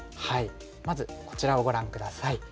まずこちらをご覧下さい。